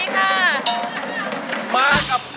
คุณป๊า